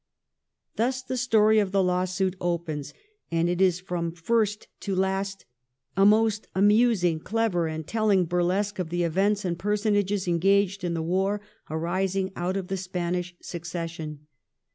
Thus the story of the lawsuit opens, and it is from first to last a most amusing, clever, and telling burlesque of the events and personages engaged in the war arising out of the Spanish succession.